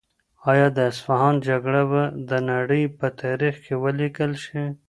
آیا د اصفهان جګړه به د نړۍ په تاریخ کې ولیکل شي؟